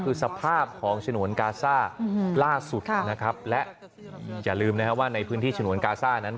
คือสภาพของฉนวนกาซ่าล่าสุดนะครับและอย่าลืมนะครับว่าในพื้นที่ฉนวนกาซ่านั้น